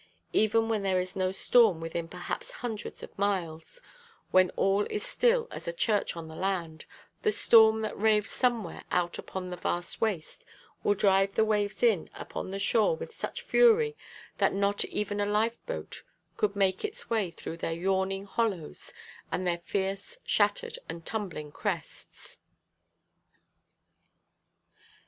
Even when there is no storm within perhaps hundreds of miles, when all is still as a church on the land, the storm that raves somewhere out upon the vast waste, will drive the waves in upon the shore with such fury that not even a lifeboat could make its way through their yawning hollows, and their fierce, shattered, and tumbling crests.